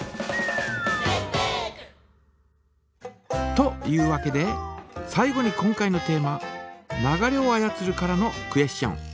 というわけで最後に今回のテーマ「流れを操る」からのクエスチョン。